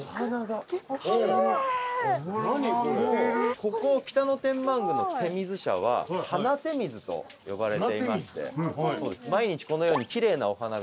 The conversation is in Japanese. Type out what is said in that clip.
ここ北野天満宮の手水舎は花手水と呼ばれていまして毎日このように奇麗なお花が生けてあり。